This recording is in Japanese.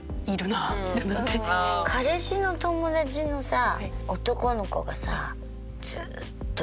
彼氏の友達のさ男の子がさ。